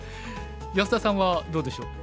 安田さんはどうでしょう？